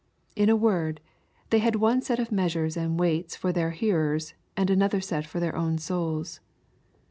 In a word, they had one set of measures and weights for their hearers, and another set for their own souls.